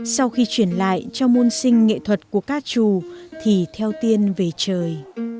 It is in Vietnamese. sau khi chuyển lại cho môn sinh nghệ thuật của các chù thì theo tiên về trời